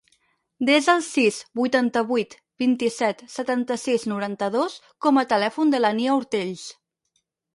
Desa el sis, vuitanta-vuit, vint-i-set, setanta-sis, noranta-dos com a telèfon de la Nia Ortells.